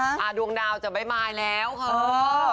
ดวงดาวจะไม่มายแล้วค่ะ